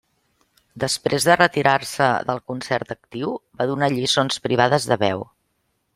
Després de retirar-se del concert actiu, va donar lliçons privades de veu.